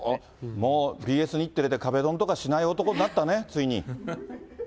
もうＢＳ日テレで壁ドンとかしない男になったね、ついに。